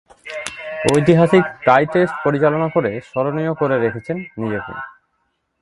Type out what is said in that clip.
ঐতিহাসিক tie test পরিচালনা করে স্মরণীয় করে রেখেছেন নিজেকে।